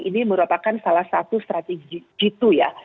ini merupakan salah satu strategi jitu ya